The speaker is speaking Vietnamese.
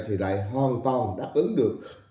thì lại hoàn toàn đáp ứng được